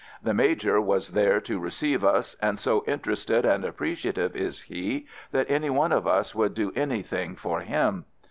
The Major was there to receive us, and so interested and appreciative is he that any one of us would do anything for him.